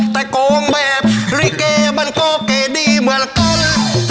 แต่กองแบบลิเกมันก็เก๋ดีเหมือนกัน